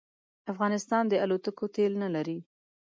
افغانستان د الوتکو تېل نه لري